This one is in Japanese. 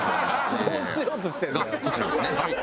こちらですねはい。